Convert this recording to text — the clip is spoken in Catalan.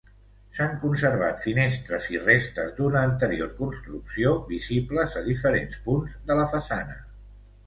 S'han conservat finestres i restes d'una anterior construcció, visibles a diferents punts de la façana.